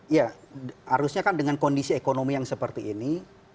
ya harusnya kan dengan kondisi ekonomi yang seperti ini